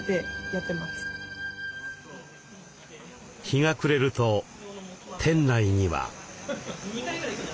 日が暮れると店内には。